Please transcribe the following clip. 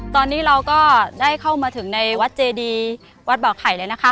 ตอนนี้เราก็ได้เข้ามาถึงในวัดเจดีวัดบ่อไข่เลยนะคะ